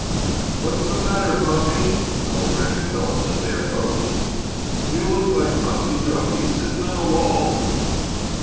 "What's the matter, Puffy?" called Ranny Phelps, as they approached. "You look like Humpty Dumpty sitting on a wall!"